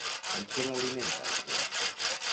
Amb què l'alimenta la gent?